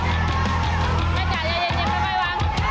แม่จ๋าใจเย็นค่อยวาง